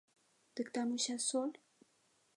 Дык там уся соль?